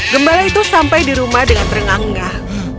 gembala itu sampai di rumah dengan rengang ngah